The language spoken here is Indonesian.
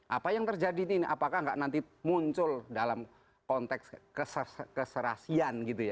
apa yang terjadi ini apakah nggak nanti muncul dalam konteks keserasian gitu ya